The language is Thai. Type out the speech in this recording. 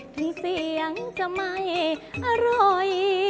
ถึงเสียงจะไม่อร่อย